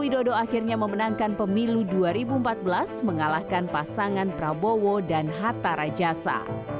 widodo akhirnya memenangkan pemilu dua ribu empat belas mengalahkan pasangan prabowo dan hatta rajasa